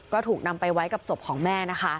ก็ถูกนำไปไว้กับศพของแม่นะคะ